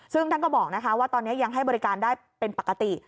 ซึ่งท่านก็บอกว่าตอนนี้ยังให้บริการได้เป็นปกติ